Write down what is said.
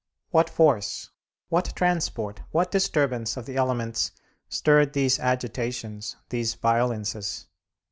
What force, what transport, what disturbance of the elements stirred these agitations, these violences?